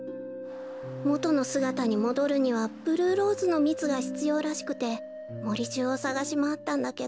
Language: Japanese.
もとのすがたにもどるにはブルーローズのみつがひつようらしくてもりじゅうをさがしまわったんだけど。